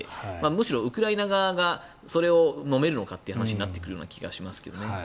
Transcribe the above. むしろウクライナ側がそれをのめるのかという話になってくる気がしますね。